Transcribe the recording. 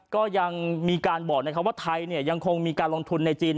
ก็ยังมีการบอกนะครับว่าไทยยังคงมีการลงทุนในจีน